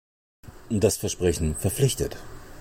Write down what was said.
Das Versprechen verpflichtet.